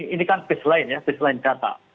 ini kan baseline data